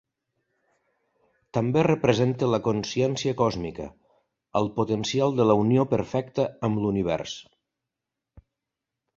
També representa la consciència còsmica, el potencial de la unió perfecta amb l'univers.